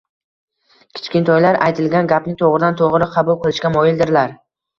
Kichkintoylar aytilgan gapni to‘g‘ridan to‘g‘ri qabul qilishga moyildirlar.